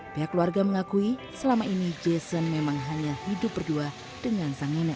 pihak keluarga mengakui selama ini jason memang hanya hidup berdua dengan sang nenek